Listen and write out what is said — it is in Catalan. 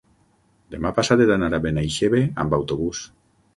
Demà passat he d'anar a Benaixeve amb autobús.